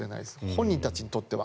本人たちにとっては。